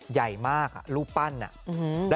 ใหญ่มากอ่ะรูปปั้นอ่ะ